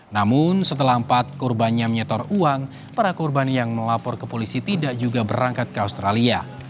namun setelah empat korbannya menyetor uang para korban yang melapor ke polisi tidak juga berangkat ke australia